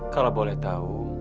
kalau boleh tau